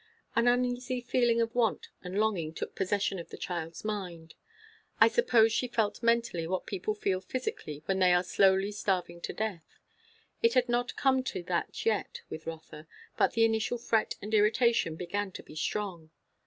An uneasy feeling of want and longing took possession of the child's mind. I suppose she felt mentally what people feel physically when they are slowly starving to death. It had not come to that yet with Rotha; but the initial fret and irritation began to be strong.